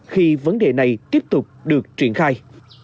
khi vấn đề này tiếp tục được truy cập